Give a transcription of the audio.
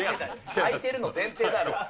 開いてるの前提だろ。